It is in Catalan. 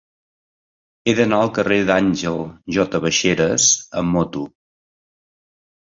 He d'anar al carrer d'Àngel J. Baixeras amb moto.